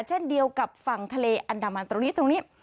เช่นเดียวกับฝั่งทะเลอันดามันตรงนี้ตรงนี้